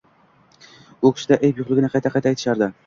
U kishida ayb yo`qligini qayta-qayta aytishardi